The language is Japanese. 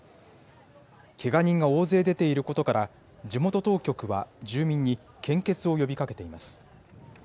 けが人が大勢出ていることから、地元当局は住民に献血を呼びかけています。